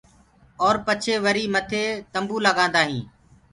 اور پڇي وري مٿي تمبو لگآندآ هينٚ۔